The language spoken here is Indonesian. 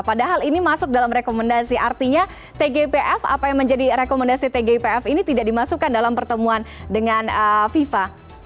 padahal ini masuk dalam rekomendasi artinya tgpf apa yang menjadi rekomendasi tgipf ini tidak dimasukkan dalam pertemuan dengan fifa